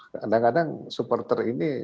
kadang kadang supporter ini